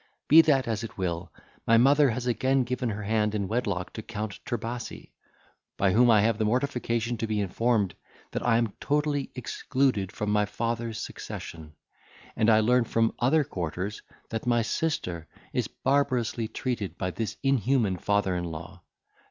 Be that as it will, my mother has again given her hand in wedlock to Count Trebasi; by whom I have the mortification to be informed that I am totally excluded from my father's succession; and I learn from other quarters, that my sister is barbarously treated by this inhuman father in law.